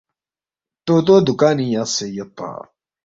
طوطو دُکانِنگ یقسے یودپا